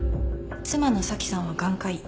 妻の紗季さんは眼科医。